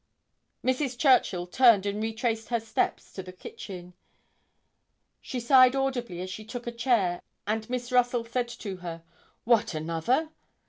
Mrs. Churchill turned and retraced her steps to the kitchen. She sighed audibly as she took a chair and Miss Russell said to her, "What, another?"